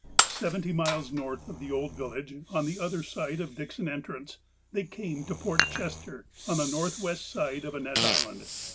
Seventy miles north of the old village, on the other side of Dixon Entrance, they came to Port Chester, on the northwest side of Annette Island.